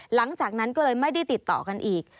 หลังจากนั้นก็เลยไม่ได้ติดต่อกันอีก